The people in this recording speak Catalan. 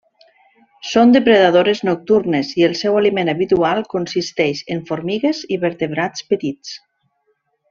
Són depredadores nocturnes, i el seu aliment habitual consisteix en formigues i vertebrats petits.